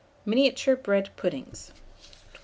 MINIATURE BREAD PUDDINGS. 1254.